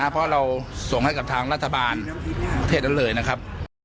เพราะเราส่งให้กับทางรัฐบาลเทศนั้นเลยนะครับ